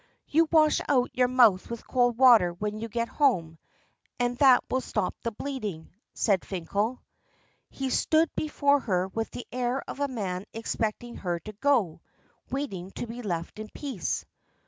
"You wash out your mouth with cold water when you get home, and that will stop the bleeding," said Finkel. He stood before her with the air of a man expecting her to go, waiting to be left in peace.